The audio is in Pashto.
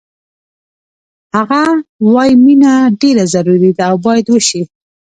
هغه وایی مینه ډېره ضروري ده او باید وشي